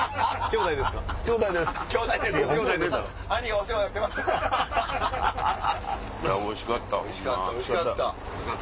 おいしかった！